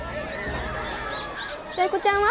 タイ子ちゃんは？